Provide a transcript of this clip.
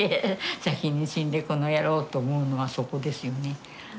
先に死んでこの野郎と思うのはそこですよね。